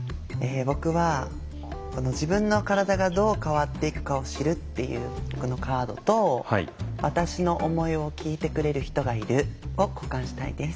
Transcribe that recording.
僕は「自分の身体がどう変わっていくかを知る」っていうこのカードと「私の思いを聴いてくれる人がいる」を交換したいです。